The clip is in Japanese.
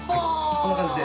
こんな感じで。